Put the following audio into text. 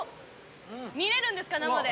見れるんですか生で。